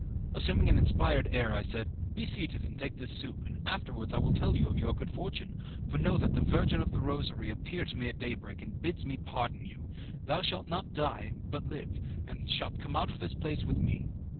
Assuming an inspired air, I said, "Be seated and take this soup, and afterwards I will tell you of your good fortune, for know that the Virgin of the Rosary appeared to me at day break, and bids me pardon you. Thou shalt not die but live, and shalt come out of this place with me."